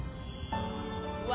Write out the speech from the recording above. うわ。